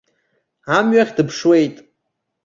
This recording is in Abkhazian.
Амҩахь дыԥшуеит.